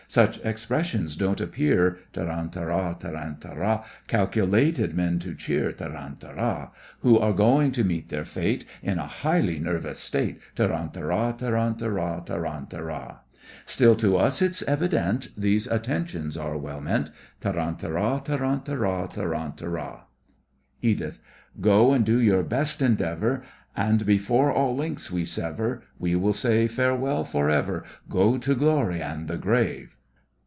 Such expressions don't appear, Tarantara! tarantara! Calculated men to cheer Tarantara! Who are going to meet their fate In a highly nervous state. Tarantara! tarantara! tarantara! Still to us it's evident These attentions are well meant. Tarantara! tarantara! tarantara! EDITH: Go and do your best endeavour, And before all links we sever, We will say farewell for ever. Go to glory and the grave!